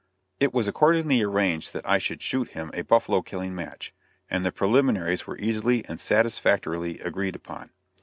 It was accordingly arranged that I should shoot him a buffalo killing match, and the preliminaries were easily and satisfactorily agreed upon.